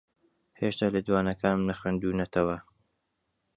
ھێشتا لێدوانەکانم نەخوێندوونەتەوە.